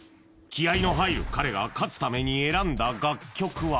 気合の入る彼が勝つために選んだ楽曲は？